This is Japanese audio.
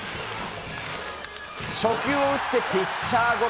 初球を打ってピッチャーゴロ。